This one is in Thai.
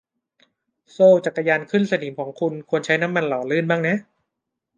โซ่จักรยานขึ้นสนิมของคุณควรใช้น้ำมันหล่อลื่นบ้างนะ